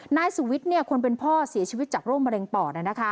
นายสุวิทย์คนเป็นพ่อเสียชีวิตจากโรคมะเร็งปอด